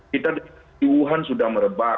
kita di wuhan sudah merebak